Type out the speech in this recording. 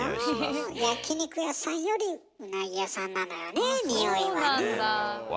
焼き肉屋さんよりうなぎ屋さんなのよねにおいはね。